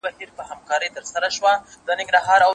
دا دنیا او هستي څه کوې بد بخته